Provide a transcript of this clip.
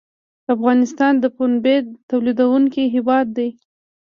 افغانستان د پنبې تولیدونکی هیواد دی